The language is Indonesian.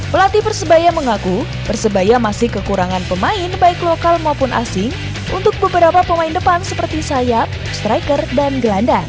pelatih persebaya mengaku persebaya masih kekurangan pemain baik lokal maupun asing untuk beberapa pemain depan seperti sayap striker dan gelandang